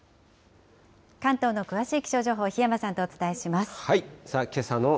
関東の詳しい気象情報、檜山さんとお伝えします。